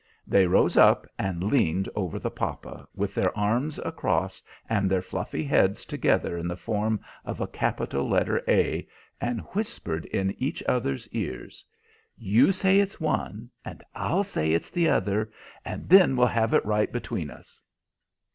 They rose up and leaned over the papa, with their arms across and their fluffy heads together in the form of a capital letter A, and whispered in each other's ears, "You say it's one, and I'll say it's the other, and then we'll have it right between us."